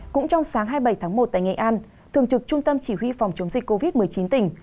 cũng trong sáng hai mươi bảy tháng một tại nghệ an thường trực trung tâm chỉ huy phòng chống dịch covid một mươi chín tỉnh